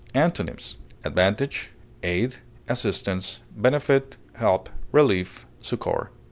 Antonyms: advantage, aid, assistance, benefit, help, relief, succor.